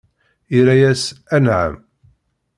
Irra-as: Anɛam!